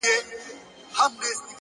ماهېره که ـ